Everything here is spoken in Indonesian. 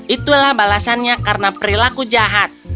itulah balasannya karena perilaku jahat